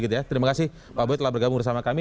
terima kasih pak boy telah bergabung bersama kami